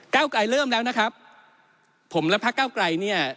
เก้าไกลเริ่มแล้วนะครับผมและพระเก้าไกลเนี่ย